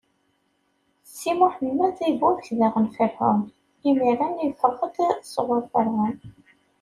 Si Mḥemmed iburek daɣen Ferɛun, imiren iffeɣ-d sɣur Ferɛun.